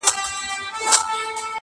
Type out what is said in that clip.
• هره ورځ به په دعا یو د زړو کفن کښانو -